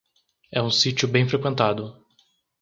É um sítio bem frequentado